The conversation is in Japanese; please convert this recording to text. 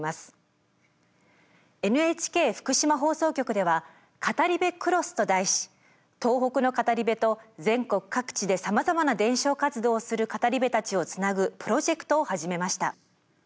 ＮＨＫ福島放送局では「語り部クロス」と題し東北の語り部と全国各地でさまざまな伝承活動をする語り部たちをつなぐプロジェクトを始めました。